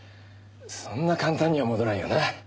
そんな簡単には戻らんよな。